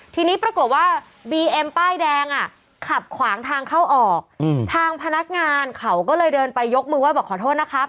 ทีนี้ปรากฏว่าบีเอ็มป้ายแดงอ่ะขับขวางทางเข้าออกทางพนักงานเขาก็เลยเดินไปยกมือไห้บอกขอโทษนะครับ